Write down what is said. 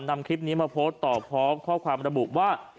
นำคลิปนี้มาโพสต์ต่อพร้อมข้อความระบุว่า